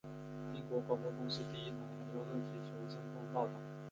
英国广播公司第一台还用热气球升空报导。